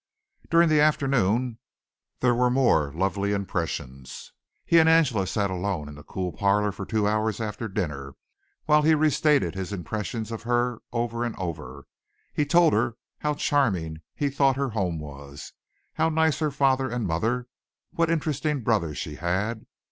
During the afternoon there were more lovely impressions. He and Angela sat alone in the cool parlor for two hours after dinner while he restated his impressions of her over and over. He told her how charming he thought her home was, how nice her father and mother, what interesting brothers she had.